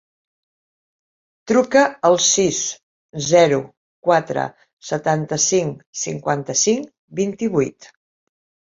Truca al sis, zero, quatre, setanta-cinc, cinquanta-cinc, vint-i-vuit.